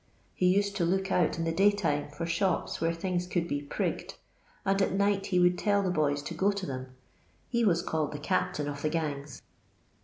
He used to look out in the daytime for shops where things could be 'prigged,' and at night he would tell the boys to go to them. He was called the captain of the gangs.